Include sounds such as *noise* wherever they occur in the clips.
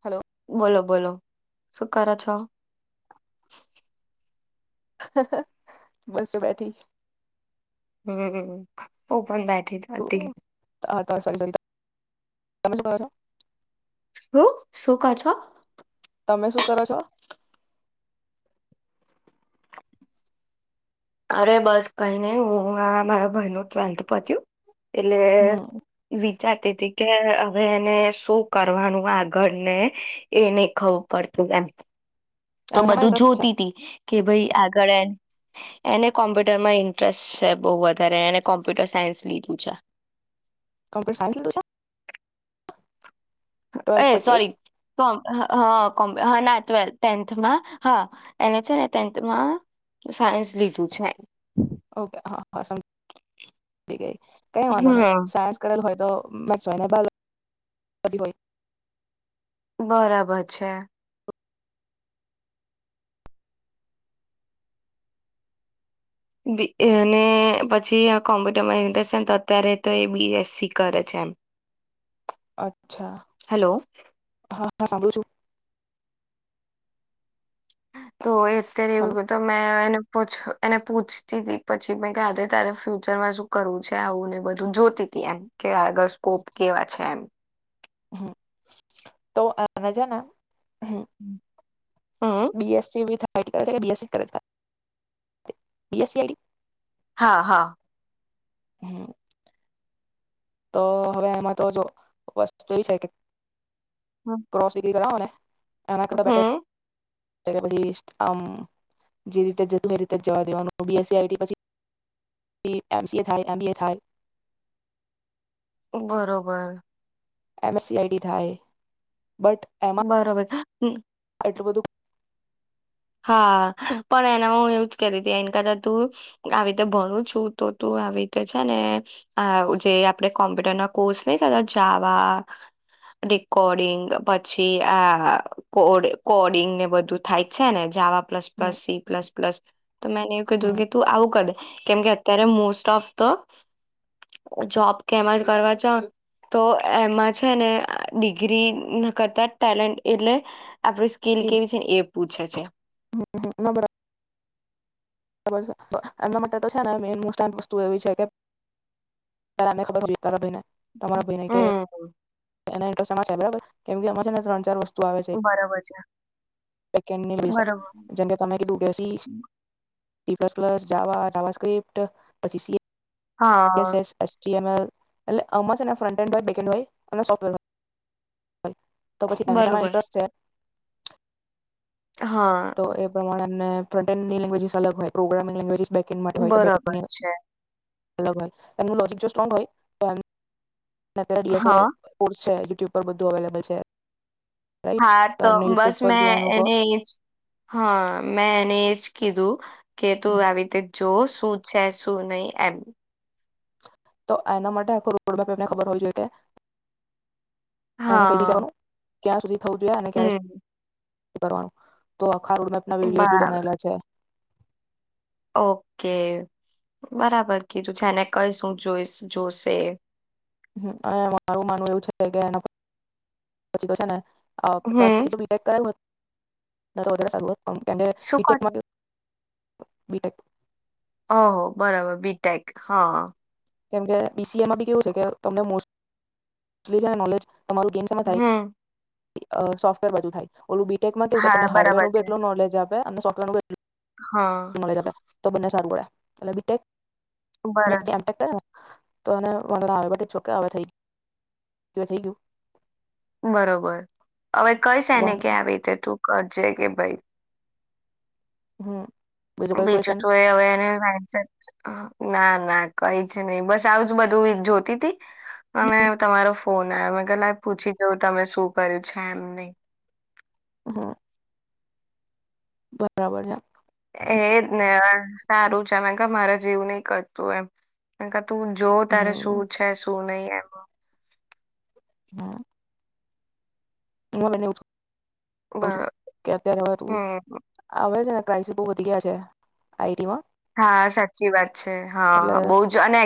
Hello બોલો બોલો શું કરો છો બસ જો બેઠી હમ્મ હું પણ બેઠી જ તો હતી. હ તો *unintelligible* તમે શુ કરો ચો શું શું કો છો તમે શું કરો છો અરે બસ કઈ નઈ હું મારા ભાઈ ન ટવેલ્થ પરચું એટલે હમ વ જાતી હતી કે હવે એને શું કરવાનું આગળ ને એ નહ ખબર પડતું એ મ તો એમાં બધું ઇન્ટરેસ્ટ છે જોતી તીી કે ભાઈ આગળ એને કોમ્પ્યુટરમાં ઇન્ટરેસ્ટ છે બહ વધારે એને કોમ્પ્યુટર સાયન્સ લીધું છે કમ્પ્યુટર *unintelligible* એ સોરી તોમ હ કોમ્ હ ના ટ્વેલ્થ ટેન્થમાં હા એને છે ને ટેન્થમાં સાયન્સ લીધું છે ઓકે કઈ વાંધો નહી હમ. સાયન્સ કરેલ હોય તો *unintelligible* હોય બરાબર છે. અને પછી કોમ્પ્યુટરમાઇઝેશ અત્યારે તો એ બી એસ સી કરે છે. અચ્છા હેલો હા હા. *unintelligible* તો એત હલો એવું તો મે એનું પછ એને પૂછતી તી પછી મે કે આજે તારે ફ્યુચરમાં શું કરવું છે આવુંને બધું જોતી તી એમ કે આગળ સ્કોપ કેવા છે એમ. હમ્મ તો અને છે ને. *unintelligible* હમ બી એસ સી *unintelligible* *unintelligible* સુ કરે છે *unintelligible* હા હા. હમ્મ. તો હવે એમાં તો જો વસ્તુ એવી છે કે *unintelligible* કરાવેને હમ્મ. પછી આમ જે રીતે જ જ હતું એ રીતે જ જવા દેવાનું B S C I T પછી *unintelligible* થાય એમ બી એ થાય બરોબર. M S C I D થાય બટ એમાં બરોબર. હમ્મ. એટલું બધું. હા પણ એના હ એવું જ કતી હતી એને કતા તું આવી રીતે ભણું છું તો તું આવી રીતે છે ને જે આપણે કોમ્પ્યુટર ના કોર્સ નહી થતા જાવા રેકોર્ડિંગ પછી આ કો કોડિંગ ને બધું થાય. છે ને જાવા પ્લસ હમ પ્લસ સી પ્લસ. પ્લસ તો મેને એવું કીધું હમ કે તું આવું કદે. કેમકે અત્યારે મોસ્ટ ઓફ તો જોબ કેમાં કરવા છ તો એમાં છે ને ડિગ્રી કરતા ટેલેન્ટ એટલે આપડી સ્કીલ કેવી છે ને એ પૂછે છે. હમ્મ ના બરા. બર છે એમના માટે તો છે ને મોસ્ટ આ વસ્તુ એવી છે કેને ખબર હો ભને હમ્મ. બર કેમ કે અમે છે ને તણ ચાર વસ્તુ આવે છે બરાબર છે *unintelligible* બરાબર જેમ કે તમે કીધું ગસી C plus plus, Java, JavaScript પછી સી સી એસ હા S A C M L એટલે આમાં છ ન ફ્રન્ટ *unintelligible* બેક હેન્ડ હોય અન *unintelligible* હોય તો બરોબર પછી *inaudible* હા. ને *unintelligible* અલગ હોય પ્રોગ્રામીંગ *unintelligible* બરોબર છે. અલગ હોય એમનું લોજિક જો સ્ટ્રોંગ હોય તો એમ *unintelligible* સે હા *unintelligible* ટ્યુબ પર બધું અવેલેબલ છે. રાઈટ હા, તો એમને બસ યુટ્યુબ પર મેં જોવાનું કહો એને એ જ હા. મે એને જ કીધું. કે તું આવી રીતે જો શું છે શું નઈ એમ. તો એના માટે આખું રોડ મેપ એમને ખબર હોવી જોઈ કે એને કઈ બી હા કેવાનું ક્યાં સુ થવું જોઈએ અને ક્યારે હમ કરવાનું તો ખા રોડમેપના વિડીયોઝ બી બરાબર બનાવેલા છે. ઓકે. બરાબર કીધું છે એને કઈ શું જોઈ-જોશે. હમ અને મારું માનવું એવું છે કે એને પછી તો છે ને અ *unintelligible* *unintelligible* હમ અમ કેમ કે શું ક બીટેકમાં કેવું બીટેક. ઓહો બરાબર બીટેક. હા. કેમ કે છી એમાં બી કેવું છે કે તમને મો ચલી જાય નલેજ તમારું ગેમ શેમાં થાય. હમ અ સોફ્ટવેર બધું થાય. ઓલું બીટેકમાં કેવું કે હા તમે બરાબર હાર્ડવેરનું બી છે એટલ નોલેજ આ પે અને સોફટવેરનું બી એટલું હા. *unintelligible* અને બીટેક બરાબર *unintelligible* *unintelligible* થઈ ગયું બરોબર હવે કઈસ ને વાંધો નહીં. ક્યા આવી રીતે તું કરજે કે ભાઈ હમ્મ. બીજું જો એ હવે એને *unintelligible* ના ના કઈ જ નહી બસ આવુંજ બધું જોતી તી અને તમારો ફોન આવ મેં કે લાય પૂછી જવ તમે શું કર્યું છે એમ નહી હા. બરાબર છે. એજ ને સારું છે મેકા મારે જીવું નય કરતું એમ. તું જો તારે હમ શું છે શું નહી એમ. *inaudible* *inaudible* *unintelligible* *unintelligible* બરો હમ આવે છે ને પ્રાઇસ બો વધી ગયા છે. આઇટી માં હા સાચી વાત છે હા એટલે બો જ અને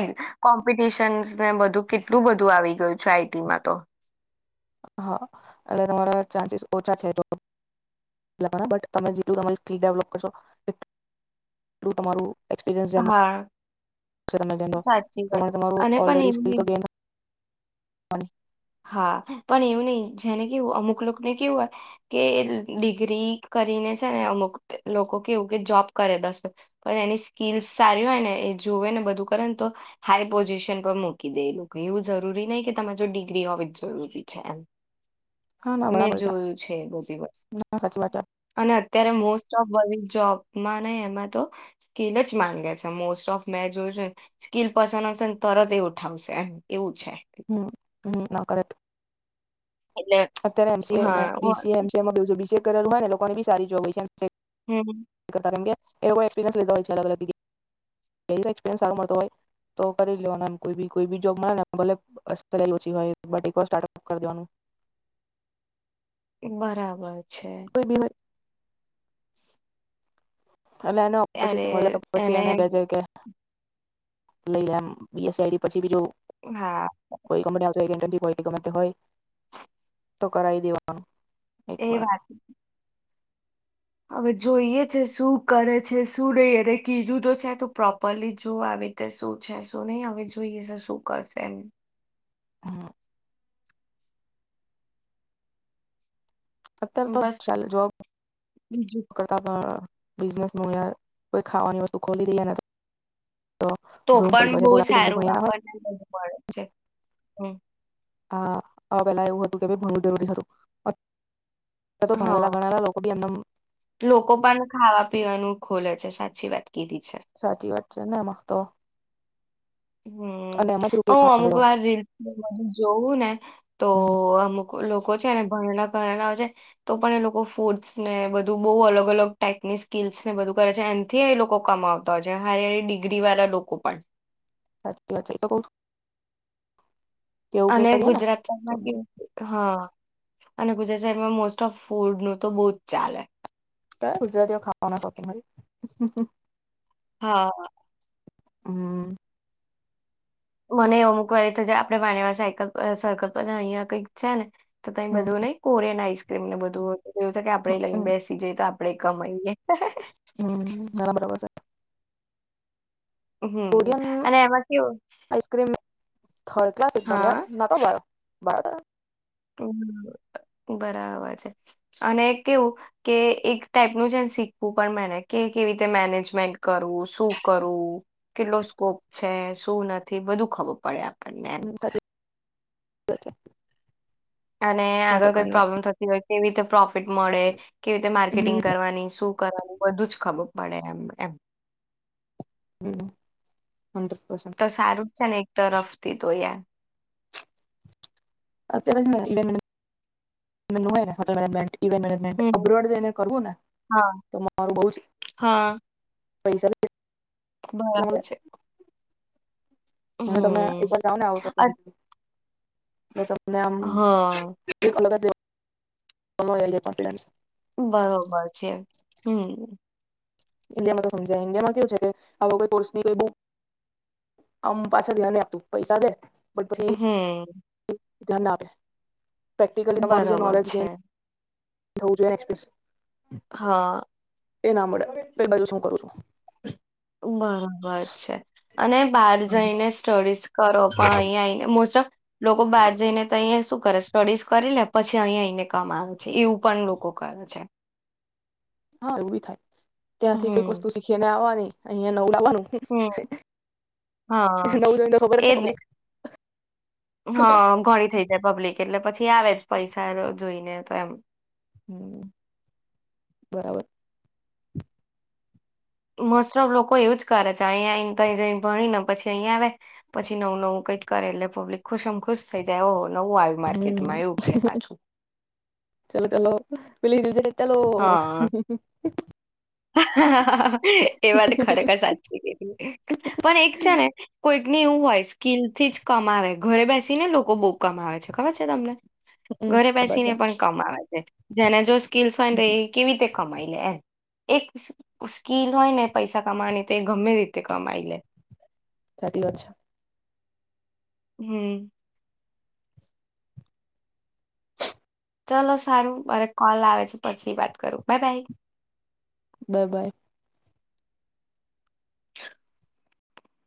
કોમ્પિટિશન ને બધું કેટલું બધું આવી ગયું છે આઈટીમાં તો હા એટલે તમારા ચાન્સીસ ઓછા છે બટ તમે જેટલું તમારી સ્કીલ ડેવલપ કરશો એટલુ તમારું એક્સપીરિયન્સ *unintelligible* હા *unintelligible* સાચી વાત તમે તમારું અને પણ એવું નહી ઓલરેડી *unintelligible* *inaudible* હા પણ એવું નહીિ જેને કેવું અમુક લોકોને કેવું હોય કે ડિગ્રી કરીને છે ને અમુક લોકો કેવું કે જોબ કરે દશે પણ એની સ્કીલસ સારી હોય ને એ જોવે ને બધું કરે ને તો હાઈ પોઝિશન પર મૂકી દે એ લોકો એવું જરૂરી નહી કે તમે જો ડિ ગ્રી હોવી જ જરૂરી છે એમ. હા ના મેં બરાબર જોયું છે બધી વસ્તુ ના સાચી વાત છે અને અત્યારે મોસ્ટ ઓફ બધી જ જોબ માં નહી એમાં તો સ્કીલ જ માનગે છે મોસ્ટ ઓફ મે જોછે સ્કીલ પર્સન હશે ને તરત એ ઉઠાવશે એમ એવું છે હમ્મ. હમ્મ *unintelligible* એટલે અત્યારે એમસી એ હા ઓ બીસી એમસીમાં *unintelligible* કરેલું હોય ને એ લોકોને બી સારી જોબ હોઈ છે. હમ્મ. કર કેમ એ લોકો એક્સપ્રિસન્સ લેતા હોય અલગ એક્સપ્રિયન્સ સારો મળતો હોય તો કરી લેવાનોમ કોઈ બી જોબ મળે ને ભલે ઓછી *unintelligible* હોય બટ એક વાર સ્ટાર્ટઅપ કર દેવાનું. બરાબર. છે *unintelligible* અને એને ત્યારે ઓપોર્ચ્યુનિટી મળે તો પછી એને કે છે કે લઈ એમ બીએસઆઈડી પછી બી જો હા તો એથી *unintelligible* કમાતી હોય તો કરાવી દેવાનું એ એકવાર વાત હવે જોઈએ છે શું કરે છે શું નઈ એરે કીધું તો છે તો પ્રોપરલી જોવા આવી રીતે શું છે શું ની હવે જોઈએ છે શું કરશે હા અત્યારે તો બસ ચલે જો બીજું કરતા પણ બિઝનેસમાં તો યાર કોઈ ખાવાની વસ્તુ ખોલી દીયે ને તો ધૂમ પણ પૈસા જે બહુ બોલા જેમ કે સારું ભણ્યા ના હોય આપણને બોજ મળે છે હમ્મ હા અ પેલા એવું હતું કે ભણવું જરૂરી હતું પેહલા તો ભણેલા હા ગણેલા લોકો બી એમનમ લોકો પણ ખાવા પીવાનું ખોલે છે સાચી વાત કીધી છે સાચી વાત છે એમાં તો હમ્મ અને એમ જ રૂપિયો હું અમુક છાંગડ્યો વાર રીલ જોવું ને તો હમ અમુક લોકો છે ભણેલા ભણેલા હોય છે તો પણ એ લોકો ફૂડસ ને બધું બહુ અલગ અલગ ટાઈપની સ્કીલ્સને બધું કરે છે એનથી એ લોકો કમાવતા હોય છે હારી હારી ડિગ્રી વાળા લોકો પણ સાચી વાત છે એ લોકો અને ને તો ગુજરાતમાં બી કેવું હા અને ગુજરાત શહેરમાં મોસ્ટ ઓફ ફૂડ નું તો બો જ ચાલે ક્યા ગુજરાતીઓ ખાવાના શોકખીન નથી હા હમ્મ મને અમૂકવાર એ થય જાયને આપણે વાણીયા પાર સાયકલ પાર સર્કલ પર અહિયાં કંઈક છે ને તો તય હમ બધું નહી કોરિયન આઈસ એમને બધું એવું થાય કે આપડે એ લયને હમ બેસી જઈએ તો આપ આપડે કમાઈએ હે હે હમ્મ ના ના બરાબર છે. હમ કોરિયન અને એમાં કેવું આઈસ્ક્રીમ થર્ડ ક્લાસ એકદમ હા યાર ના તો બાર બરાબર બરાબર છે અને કેવું કે એક ટાઈપનું છે શીખવું પણ મેને કે કેવી રીતે મેનેજમેન્ટ કરવું શું કરું કેટલો સ્કોપ છે શું નથી બધું ખબર પડે આપ અને *inaudible* અને સો આગળ કોઈ ટકાની વાત પ્રોબ્લેમ થતી હોય કેવી રીતે પ્રોફિટ મળે કેવી રીતે માર્કેટિંગ હમ કરવાની શું કરવાનું બધું જ ખબર પડે એમ એમ *unintelligible* તો સારું જ છે ને એક છે તરફથી તો યાર અત્યારે જ હું ઇવેન મેનેજમેન્ટ હોય ને હોટલ મેનેજમેન્ટ *unintelligible* ઇવેન મેનેજમેન્ટ હમ અબ્રુવડ જઈને કરવું ને હા તો મારુ બઉચ હા પૈસા બરાબર છે. હ તમે હમ એકવાર જાઓ ને આઉટ ઓફ અ કન એ તો આમ ને આમ હા કંઈક અલગ જ રીયો પણ ચોકલેનસ. બરોબર છે હમ્મ. ઈન્ડિયા માં તો સમજાય ઈન્ડિયામાં કેવું છે કે આવો કોઈ કોર્સ ની કોઈ બુક આમ પાછળ ધ્યાન ન આપતું પૈસા દે. બટ પછી હમ્મ. ધ્યાન આપે. પ્રેક્ટિકલી તમારું જે બરોબર નોલેજ ગેન છે. ધવો જાઈએ એક્સપ્રીયનસ. હા. એ ના મળે તો એ બાજુ શું કરું છું. ઉમર ભંગાય છે. અને બહાર જઈને સ્ટડીઝ કરો પણ અહીં આવીને મોસ્ટ ઓફ લોકો બાર જઈને તો અંયા શું કરે સ્ટડીઝ કરી લે પછી અહીંયા અહીને કમા આવે છે એવું પણ લોકો કરે છે. હા એવુંજ થાય. ત્યાંથી કોઈ હમ, વસ્તુ શીખી ને આવવાની. અહીયા. ન લવાનું હમ. હા, નવું જો તો એજ ને. *unintelligible* હા ઘણી થઈ જાય પબ્લિક એટલે પછી. તે આવે જ પૈસા જોઈને તો એમ. હમ્મ બરાબર. મોસ્ટ ઓફ લોકો એવું જ કરે છે અહીયા જ ભણી ને પછી અહીંયા આવે પછી નવું નવું કઈ કરે એટલે પબ્લિક ખુશ એમ ખુશ થઈ જાય એવો હોય. નવું આવ્યું હમ માર્કેટમાં એવું કે પાછું. ચલો ચાલલો પ લ દુજે. ચલો. હા એ વાત ખરેખર સાચી કીધી પણ એક છે ને કોઈ ને એવું હોય સ્કીલથી જ કમાવે. ઘરે બેસીને લોકો બોઉ કમાવે છે ખબર છે તમને? હમ ઘરે ખબર છે બેસીને પણ કમાવાય છે. જેને જો સ્કીલ્સ હોય ન તો એ કેવી રીતે કમાઈ લે એમ. એક સ્ક-સ્ક-સ્કીલ હોય ને પૈસા કમાવાની તો એ ગમે રીતે કમાઈ લે. સાથી વાત છે. હમ્મ. ચલો સારું મારે કોલ આવે છે પછી વાત કરું. બા- બાય. બા-બાય.